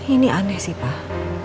ini aneh sih pak